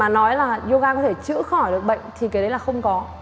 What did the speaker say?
nói là yoga có thể chữa khỏi được bệnh thì cái đấy là không có